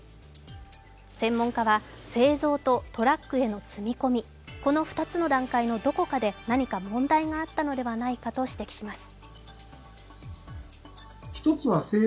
専門家は、製造とトラックへの積み込み、この２つの段階のどこかで何か問題があったのではないかと指摘します。